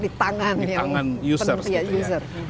ya di tangan yang penumpang